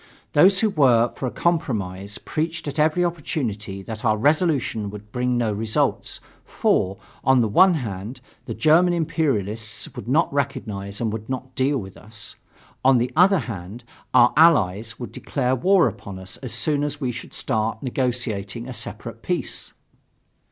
Those who were for a compromise preached at every opportunity that our resolution would bring no results; for, on the one hand, the German imperialists would not recognize and would not deal with us; on the other hand, our Allies would declare war upon us as soon as we should start negotiating a separate peace.